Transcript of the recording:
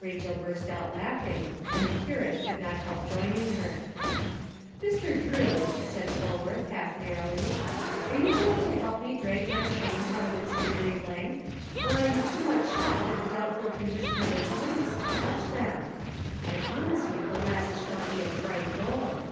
Rachel burst out laughing, and the curate could not help joining her. "Mr. Drew," said Polwarth, half merrily, "are you going to help me drag my chain out of its weary length, or are you too much shocked at the doubtful condition of its links to touch them? I promise you the last shall be of bright gold."